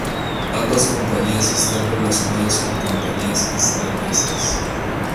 Ambas compañías están relacionadas con compañías islandesas.